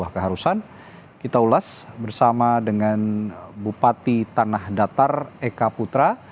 keharusan kita ulas bersama dengan bupati tanah datar eka putra